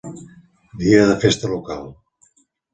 Dia de festa local.